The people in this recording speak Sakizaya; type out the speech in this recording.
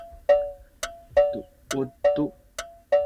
duut tu